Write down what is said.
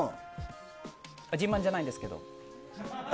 自慢じゃないですけど。